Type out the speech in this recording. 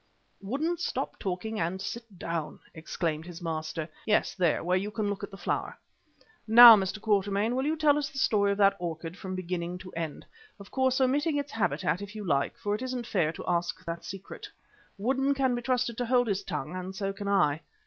"Woodden, stop talking, and sit down," exclaimed his master. "Yes, there, where you can look at the flower. Now, Mr. Quatermain, will you tell us the story of that orchid from beginning to end. Of course omitting its habitat if you like, for it isn't fair to ask that secret. Woodden can be trusted to hold his tongue, and so can I."